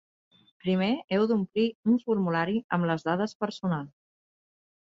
Primer heu d'omplir un formulari amb les dades personals.